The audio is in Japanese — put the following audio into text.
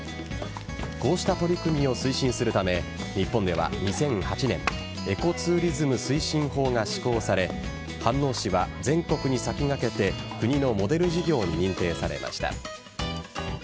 こうした取り組みを推進するため日本では２００８年エコツーリズム推進法が施行され飯能市は全国に先駆けて国のモデル事業に認定されました。